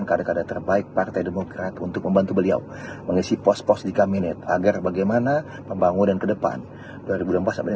yang nomor satu tentu masahaya ketua umum kami